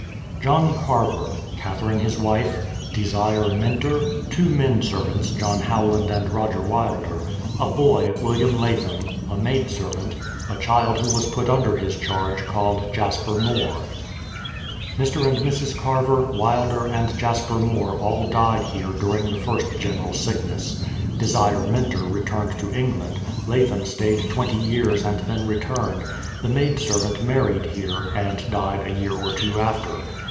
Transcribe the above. JOHN CARVER; Katherine, his wife; DESIRE MINTER; two men servants, JOHN HOWLAND and ROGER WILDER; a boy, WILLIAM LATHAM ; a maid servant ; a child who was put under his charge, called JASPER MORE. Mr. and Mrs. Carver, Wilder, and Jasper More all died here during the first general sickness. Desire Minter returned to England ; Latham stayed twenty years and then returned ; the maid servant married here, and died a year or two after.